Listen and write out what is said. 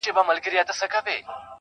چي جانان مري دى روغ رمټ دی لېونى نـه دی~